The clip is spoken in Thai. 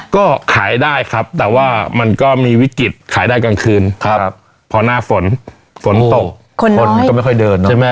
ก็ขายได้ครับแต่ว่ามันก็มีวิกฤตขายได้กลางคืนครับพอหน้าฝนฝนตกคนก็ไม่ค่อยเดินเนอะใช่ไหม